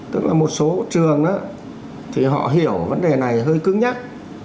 tức là một số trường thì họ hiểu vấn đề này hơi cứng nhắc